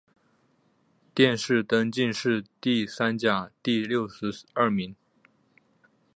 殿试登进士第三甲第六十二名。